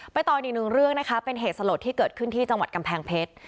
ต่ออีกหนึ่งเรื่องนะคะเป็นเหตุสลดที่เกิดขึ้นที่จังหวัดกำแพงเพชร